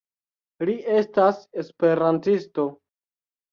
Li estas esperantisto